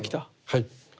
はい。